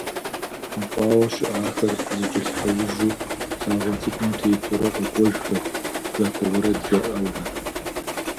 Мэкъуауэ щыӏахэр зэкӏэлъхьэужьу лъагъуэ цӏыкӏум тетурэ къэкӏуэжхэрт дзапэ уэрэд жаӏэурэ.